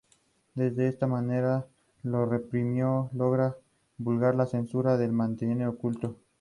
De esta manera, lo reprimido logra burlar a la censura que lo mantiene oculto.